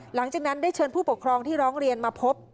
หลังจากนั้นได้เชิญผู้ปกครองที่ร้องเรียนมาพบ